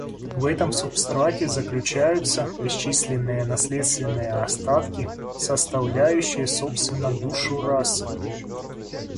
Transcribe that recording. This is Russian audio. В этом субстрате заключаются бесчисленные наследственные остатки, составляющие собственно душу расы.